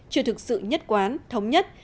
chưa thực sự nhất quán thống nhất